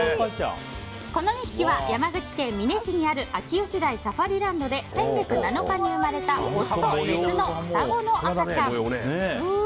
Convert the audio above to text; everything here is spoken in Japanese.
この２匹は山口県美祢市にある秋吉台サファリランドで先月７日に生まれたオスとメスの双子の赤ちゃん。